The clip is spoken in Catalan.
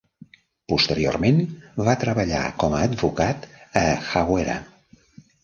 Posteriorment, va treballar com a advocat a Hawera.